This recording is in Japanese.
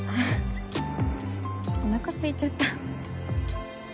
おなかすいちゃった。